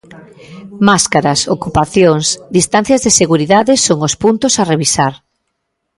Máscaras, ocupacións, distancias de seguridade son os puntos a revisar.